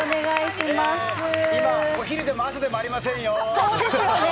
今、お昼でも朝でもありませそうですよね。